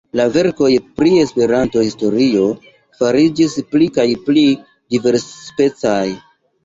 La verkoj pri Esperanto-historio fariĝis pli kaj pli diversspecaj.